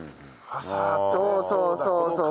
そうそうそうそう。